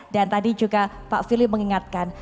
dan tadi juga pak fili mengingatkan